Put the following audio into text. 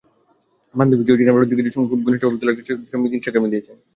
বান্ধবী জর্জিনা রদ্রিগেজের সঙ্গে খুব ঘনিষ্ঠভাবে তোলা একটি ছবি সম্প্রতি ইনস্টাগ্রামে দিয়েছেন।